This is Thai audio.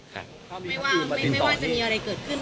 ไม่ว่าจะมีอะไรเกิดขึ้น